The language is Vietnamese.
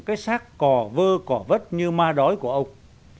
cái xác cỏ vơ cỏ vất như ma đói của ông